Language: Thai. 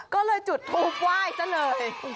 ก็เลยจุดทูปว่าอีกแล้วเลย